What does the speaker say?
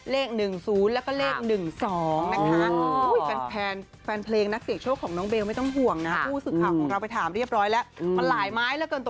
เลขหนึ่งศูนย์แล้วก็เลขหนึ่งสองนะคะอู้ยแฟน